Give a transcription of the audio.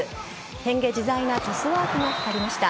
変幻自在なトスワークも光りました。